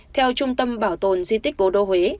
theo trung tâm bảo tồn di tích cố đô huế